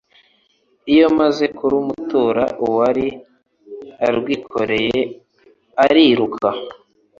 iyo amaze kurumutura, uwari urwikoreye ariruka,